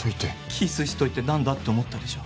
キスしといてなんだ？って思ったでしょ。